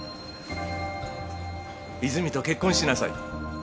泉と結婚しなさい。